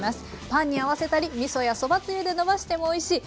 パンに合わせたりみそやそばつゆでのばしてもおいしい。